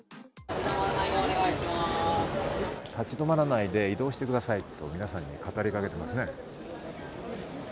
立ち止まらないで移動してくださいと係の方が言っていますね。